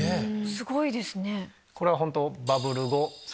すごいですね。